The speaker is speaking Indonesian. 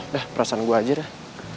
udah perasaan gue aja dah